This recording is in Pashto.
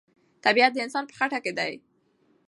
طبیعت د انسان په خټه کې دی.